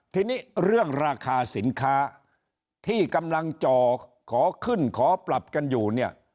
ทีนี้เรื่องราคาสินค้าที่กำลังจ่อขอขึ้นขอปรับกันอยู่เนี่ย